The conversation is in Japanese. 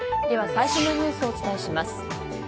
では最新のニュースをお伝えします。